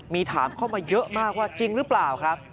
มีถามเข้ามาเยอะมากว่าจริงหรือเปล่าครับ